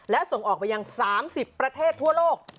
และส่งออกไปยัง๓๐ประเทศทั่วโลก